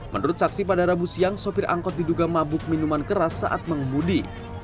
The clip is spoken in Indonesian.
menurut saksi pada rabu siang sopir angkot diduga mabuk minuman keras saat mengemudi